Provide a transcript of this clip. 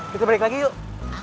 kita balik lagi yuk